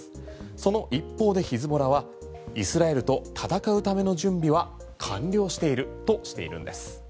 その一方でヒズボラはイスラエルと戦うための準備は完了しているとしているんです。